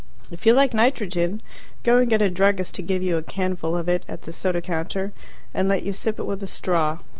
If you like nitrogen, go and get a druggist to give you a canful of it at the soda counter, and let you sip it with a straw.